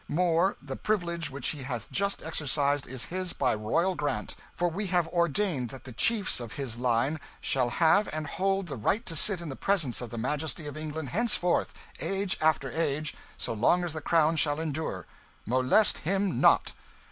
More the privilege which he hath just exercised is his by royal grant; for we have ordained that the chiefs of his line shall have and hold the right to sit in the presence of the Majesty of England henceforth, age after age, so long as the crown shall endure. Molest him not."